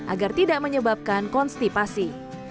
agar tidak menyebabkan konstipasi